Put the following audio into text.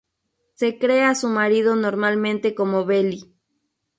Se cree a su marido normalmente como Beli.